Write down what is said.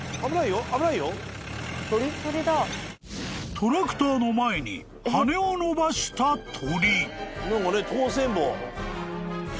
［トラクターの前に羽を伸ばした鳥］